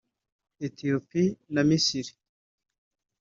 Ethiopie na Misiri